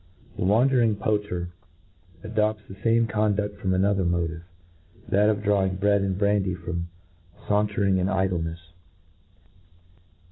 The wandering poach* cr adopts the fame condud from another motive, that of drawing bread and birandy from fawtcr ing and idlenefs.